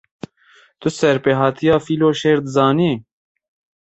Tu serpêhatiya fîl û şêr dizanî?